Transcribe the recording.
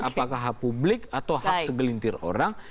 apakah hak publik atau hak segelintir orang